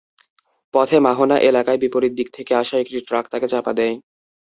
পথে মাহনা এলাকায় বিপরীত দিক থেকে আসা একটি ট্রাক তাঁকে চাপা দেয়।